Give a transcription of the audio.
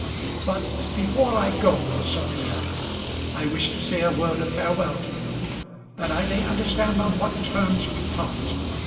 But before I go, Sophia, I wish to say a word of farewell to you, that I may understand on what terms we part.